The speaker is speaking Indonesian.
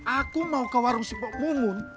aku mau ke warung si pak mumun